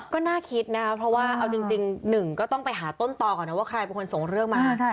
ก็น่าคิดนะครับเพราะว่าเอาจริงหนึ่งก็ต้องไปหาต้นต่อก่อนนะว่าใครเป็นคนส่งเรื่องมา